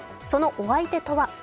そのお相手とは。